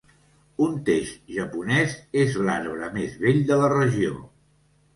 Un teix japonès és l'arbre més vell de la regió.